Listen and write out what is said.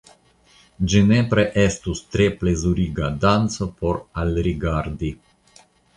Ĝi nepre estus tre plezuriga danco por alrigardi.